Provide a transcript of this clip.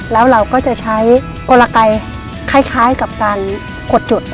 แล้วเราก็จะใช้กลไกคล้ายกับการกดจุด